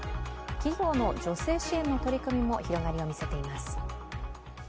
企業の女性支援の取り組みも広がりを見せています。